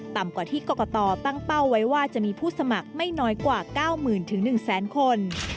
ต่ำกว่าที่กรกตตั้งเป้าไว้ว่าจะมีผู้สมัครไม่น้อยกว่า๙๐๐๑๐๐คน